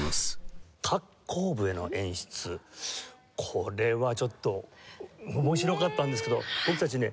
これはちょっと面白かったんですけど僕たちね